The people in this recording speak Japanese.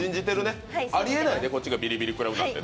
あり得ないね、こっちがビリビリくらうなんて。